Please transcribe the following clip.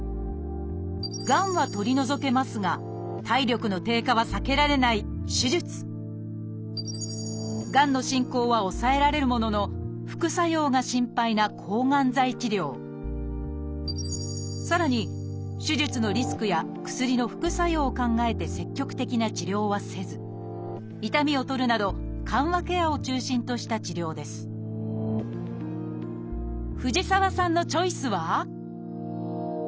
がんは取り除けますが体力の低下は避けられないがんの進行は抑えられるものの副作用が心配なさらに手術のリスクや薬の副作用を考えて積極的な治療はせず痛みを取るなど藤沢さんのチョイスは？